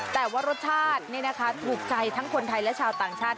แต่ว่ารสชาตินี่นะคะถูกใจทั้งคนไทยและชาวต่างชาติ